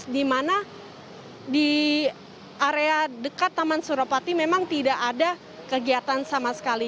di mana di area dekat taman surapati memang tidak ada kegiatan sama sekali